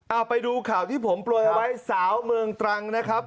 เอาไปดูข่าวที่ผมโปรยเอาไว้สาวเมืองตรังนะครับ